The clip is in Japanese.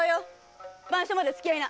番所までつきあいな！